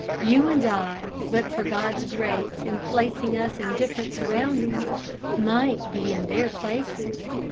You and I, but for God's grace in placing us in different surroundings, might be in their places.